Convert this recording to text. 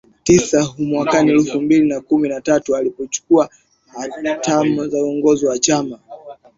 tisa hmwaka elfu mbili na kumi na tatu alipochukua hatamu za uongozi wa chama